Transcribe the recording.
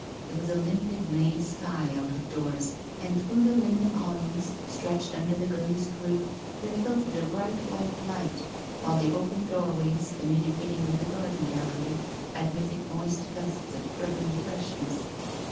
There was a limpid May sky out of doors, and through the linen awnings, stretched under the glazed roof, there filtered a bright white light, while the open doorways, communicating with the garden gallery, admitted moist gusts of quivering freshness.